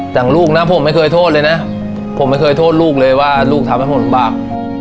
อย่างลูกนะผมไม่เคยโทษเลยนะผมไม่เคยโทษลูกเลยว่าลูกทำให้ผมบาป